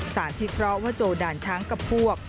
พิเคราะห์ว่าโจด่านช้างกับพวก